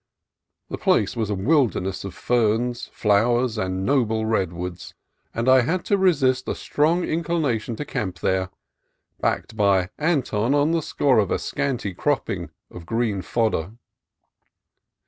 The place was a wilderness of ferns, flowers, and noble redwoods, and I had to resist a strong inclination to camp there, backed by Anton on the score of a scanty cropping of green fodder.